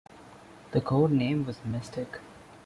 The code name was Mystic.